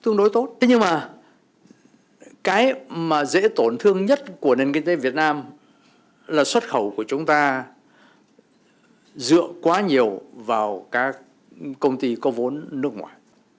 nền kinh tế việt nam là xuất khẩu của chúng ta dựa quá nhiều vào các công ty có vốn nước ngoài